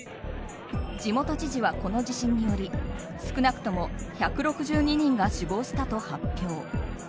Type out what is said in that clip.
地元知事は、この地震により少なくとも１６２人が死亡したと発表。